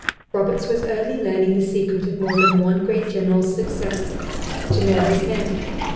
Roberts was early learning the secret of more than one great general's success to know his men.